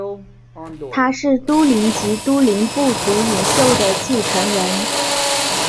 他是都灵及都灵部族领袖的继承人。